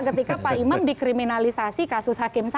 ketika pak imam dikriminalisasi kasus hakimnya